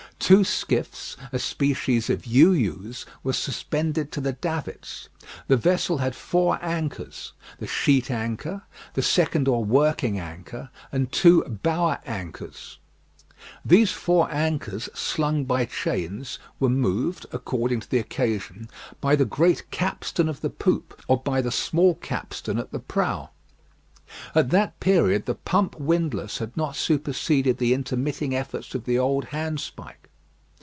Two skiffs, a species of you yous, were suspended to the davits. The vessel had four anchors; the sheet anchor, the second or working anchor, and two bower anchors. These four anchors, slung by chains, were moved, according to the occasion, by the great capstan of the poop, or by the small capstan at the prow. At that period the pump windlass had not superseded the intermitting efforts of the old handspike.